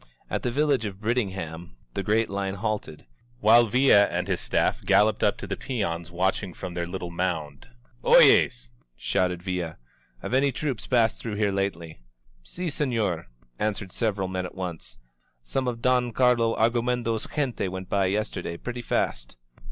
At the village of Brit tingham the great line halted, while Villa and his staff galloped up to the peons watching from their little moimd. OyezV* said Villa, Have any troops passed through here lately?'* "iSt, senorT' answered several men at once. Some of Don Carlo Argumedo's gente went by yesterday pretty fast."